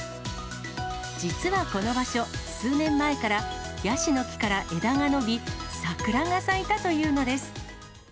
実はこの場所、数年前からヤシの木から枝が伸び、桜が咲いたというのです。